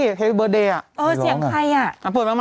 ชอบคุณครับ